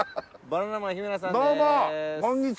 バナナマン日村さんです。